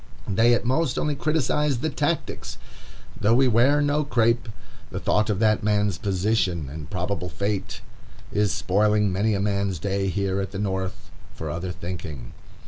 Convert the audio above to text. They at most only criticise the tactics. Though we wear no crape, the thought of that man's position and probable fate is spoiling many a man's day here at the North for other thinking.